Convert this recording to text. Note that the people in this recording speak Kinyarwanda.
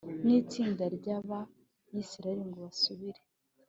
nitsinda ryaba yisiraheri ngo basubire